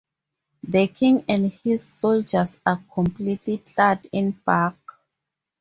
The king and his soldiers are completely clad in bark.